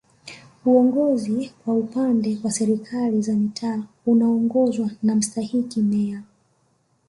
Uongozi kwa upande wa Serikali za Mitaa unaongozwa na Mstahiki Meya